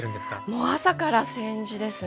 もう朝から千手ですね。